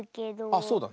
あっそうだ。